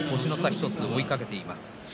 １つで追いかけています。